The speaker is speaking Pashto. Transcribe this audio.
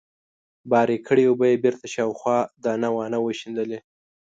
بار کړې اوبه يې بېرته شاوخوا دانه وانه وشيندلې.